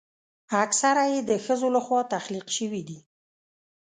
اکثره یې د ښځو لخوا تخلیق شوي دي.